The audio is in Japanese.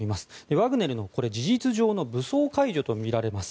ワグネルの事実上の武装解除とみられます。